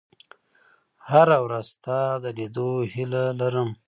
• هره ورځ ستا د لیدو هیله لرم.